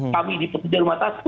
kami di petudih rumah tasik